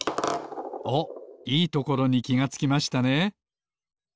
おっいいところにきがつきましたね。